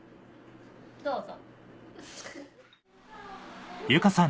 どうぞ。